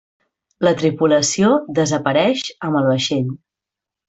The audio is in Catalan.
La tripulació desapareix amb el vaixell.